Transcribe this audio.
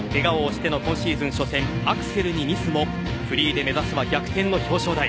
けがをおしての今シーズン初戦アクセルにミスもフリーで目指すは逆転の表彰台。